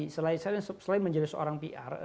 selain menjadi seorang pr